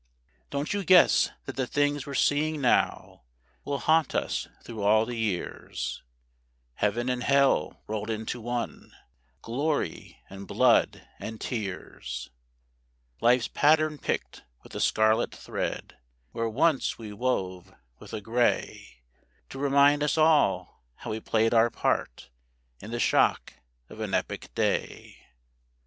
Don't you guess that the things we're seeing now will haunt us through all the years; Heaven and hell rolled into one, glory and blood and tears; Life's pattern picked with a scarlet thread, where once we wove with a grey To remind us all how we played our part in the shock of an epic day?